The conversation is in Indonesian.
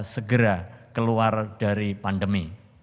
segera keluar dari pandemi